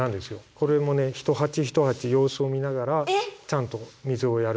これもね一鉢一鉢様子を見ながらちゃんと水をやる。